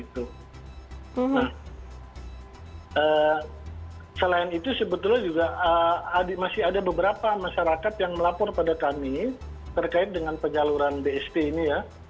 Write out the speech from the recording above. nah selain itu sebetulnya juga masih ada beberapa masyarakat yang melapor pada kami terkait dengan penyaluran bst ini ya